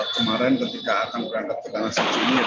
kemarin ketika akan berangkat ke tanah siji ini